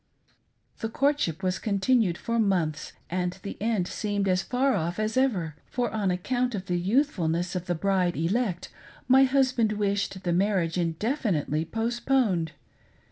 The courtship was continued for months, and the end seemed as far off as ever ; for on account of the youthfulness of the bride elect my husband wished the marriage indefinitely post poned.